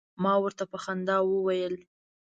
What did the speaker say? ما ورته په خندا وویل.